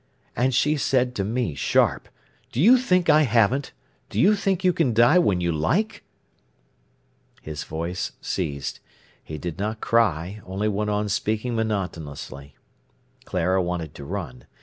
And she said to me, sharp: 'Do you think I haven't? Do you think you can die when you like?'" His voice ceased. He did not cry, only went on speaking monotonously. Clara wanted to run.